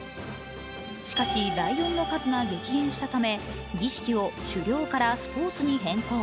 しかし、ライオンの数が激減したため、儀式を狩猟からスポーツに変更。